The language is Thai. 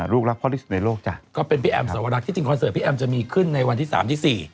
ลูกรักพ่อที่สุดในโลกจ้ะก็เป็นพี่แอมสวรรคที่จริงคอนเสิร์ตพี่แอมจะมีขึ้นในวันที่สามที่สี่